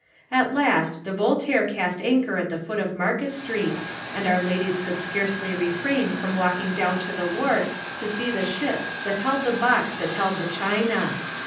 At last the Voltaire cast anchor at the foot of Market Street, and our ladies could scarcely refrain from walking down to the wharf to see the ship that held the box that held the china.